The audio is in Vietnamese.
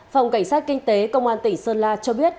phòng cảnh sát kinh tế công an tỉnh sơn la cho biết